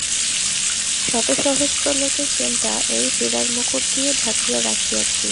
শতসহস্র লোকের চিন্তা এই হীরার মুকুট দিয়া ঢাকিয়া রাখিয়াছি।